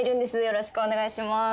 よろしくお願いします。